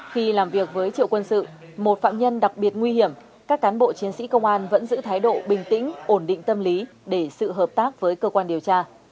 khi làm việc với triệu quân sự một phạm nhân đặc biệt nguy hiểm các cán bộ chiến sĩ công an vẫn giữ thái độ bình tĩnh ổn định tâm lý để sự hợp tác với cơ quan điều tra